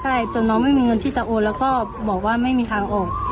ใช่จนน้องไม่มีเงินที่จะโอนแล้วก็บอกว่าไม่มีทางออก